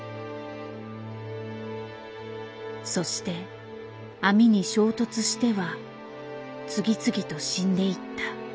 そして網に衝突しては次々と死んでいった。